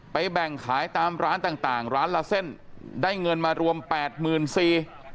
แบ่งขายตามร้านต่างต่างร้านละเส้นได้เงินมารวมแปดหมื่นสี่